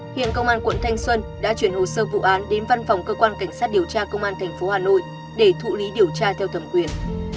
hiện công an quận thanh xuân đã chuyển hồ sơ vụ án đến văn phòng cơ quan cảnh sát điều tra công an tp hà nội để thụ lý điều tra theo thẩm quyền